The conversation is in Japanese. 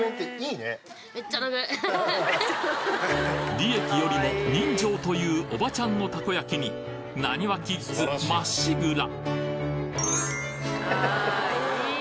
利益よりも人情というおばちゃんのたこ焼きにナニワキッズまっしぐら！